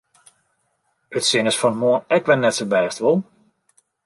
It sin is fan 'e moarn ek wer net sa bêst, wol?